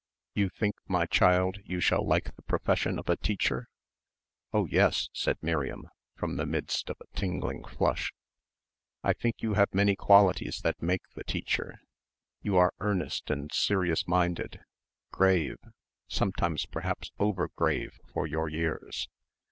"You think, my child, you shall like the profession of a teacher?" "Oh yes," said Miriam, from the midst of a tingling flush. "I think you have many qualities that make the teacher.... You are earnest and serious minded.... Grave.... Sometimes perhaps overgrave for your years....